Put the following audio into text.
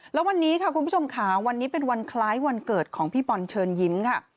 แล้ววันนี้ค่ะคุณผู้ชมค่ะวันนี้เป็นวันคล้ายวันเกิดของพี่บอลเชิญยิ้มค่ะ